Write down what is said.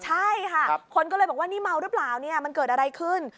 ใช่ค่ะคนก็เลยบอกว่านี่เมาหรือเปล่าเนี่ยมันเกิดอะไรขึ้น